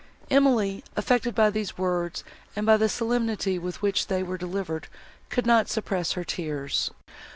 Emily, affected by these words and by the solemnity, with which they were delivered, could not suppress her tears.